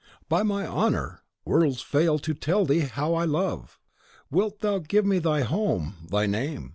"By my honour, words fail to tell thee how I love!" "Wilt thou give me thy home, thy name?